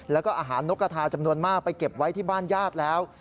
แล้วก็อาหารนกกระทาจำนวนมากไปเก็บไว้ที่บ้านญาติแล้ว